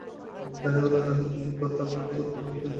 দেখা গেল, নাচের তাল ঠিকঠাক করতে বারবারই সবাইকে দেখিয়ে দিচ্ছেন তিনি।